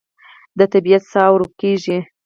د طبیعت ساه ورو کېږي